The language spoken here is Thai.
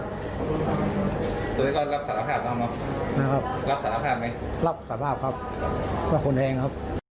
รับสารภาพครับมาคนเองครับ